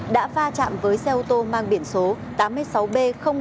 đã pha chạm với xe ô tô mang biển số tám mươi sáu b một nghìn tám mươi bảy